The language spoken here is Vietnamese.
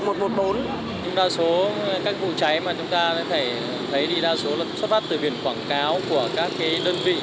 nhưng đa số các vụ cháy mà chúng ta thấy thì đa số xuất phát từ biển quảng cáo của các đơn vị